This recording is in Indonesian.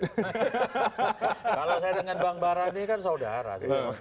kalau saya dengan bang bara ini kan saudara